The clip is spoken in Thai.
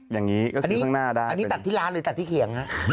อย่างนี้ก็คือข้างหน้าได้อันนี้ตัดที่ร้านเลยตัดที่เขียงฮะ